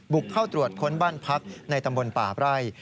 บุกเข้าตรวจค้นบ้านพักในตำบลป่าไร่